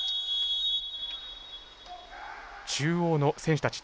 中央の選手たち